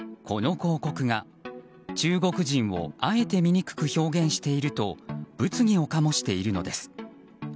この広告が中国人をあえて醜く表現していると物議を醸しているのです。